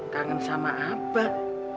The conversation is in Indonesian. kangen sama abah